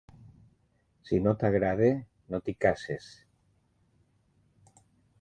Si no t'agrada, no t'hi casis.